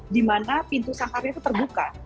di mana pintu sangkarnya itu terbuka